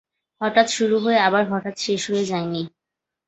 হঠাৎ শুরু হয়ে আবার হঠাৎ শেষ হয়ে যায়নি।